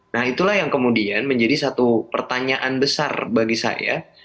nah itulah yang kemudian menjadi satu pertanyaan besar bagi saya